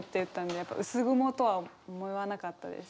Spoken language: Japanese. やっぱ薄雲とは思わなかったです。